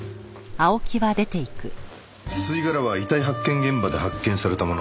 吸い殻は遺体発見現場で発見されたもの。